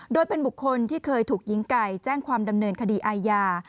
โดยเป็นบุคคลที่เคยถูกหญิงไก่แจ้งความดำเนินคดีอาญา